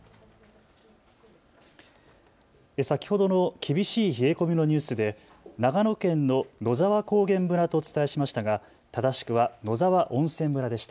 先ほどの厳しい冷え込みのニュースで野沢高原村とお伝えしましたが正しくは野沢温泉村でした。